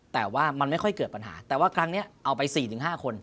แต่ว่ามันไม่ค่อยเกิดปัญหาแต่ว่าครั้งนี้เอาไป๔๕คน